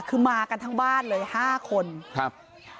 คือมากันทั้งบ้านเลยห้าคนครับ